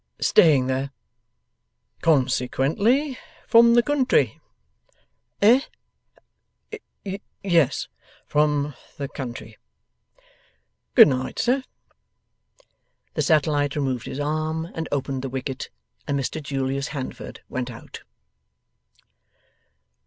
'Staying there.' 'Consequently, from the country?' 'Eh? Yes from the country.' 'Good night, sir.' The satellite removed his arm and opened the wicket, and Mr Julius Handford went out.